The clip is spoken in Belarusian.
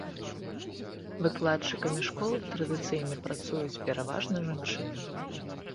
Выкладчыкамі школ традыцыйна працуюць пераважна жанчыны.